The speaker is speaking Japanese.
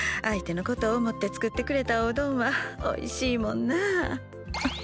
相手のことを思って作ってくれたおうどんはおいしいもんなあ。